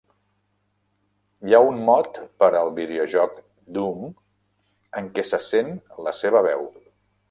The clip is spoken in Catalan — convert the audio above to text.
Hi ha un mod per al videojoc "Doom" en què se sent la seva veu.